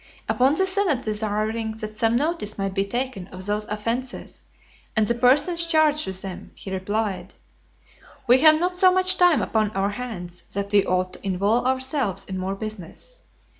Upon the senate's desiring that some notice might be taken of those offences, and the persons charged with them, he replied, "We have not so much time upon our hands, that we ought to involve ourselves in more business.